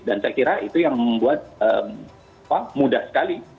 dan saya kira itu yang membuat mudah sekali